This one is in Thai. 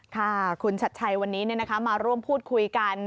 ค่ะคุณชัดชัยวันนี้มาร่วมพูดคุยกัน